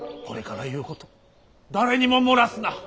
これから言うこと誰にも漏らすな。